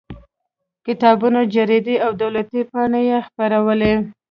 کتابونه جریدې او دولتي پاڼې یې خپرولې.